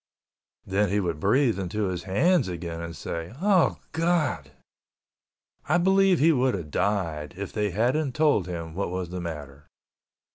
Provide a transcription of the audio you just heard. Then he would breathe into his hands again, saying, "Oh God!" I believe he would have died if they hadn't told him what was the matter.